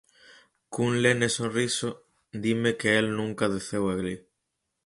Cun lene sorriso dime que el nunca deceu alí.